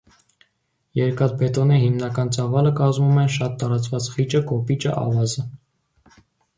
Երկաթբետոնի հիմնական ծավալը կազմում են շատ տարածված խիճը, կոպիճը, ավազը։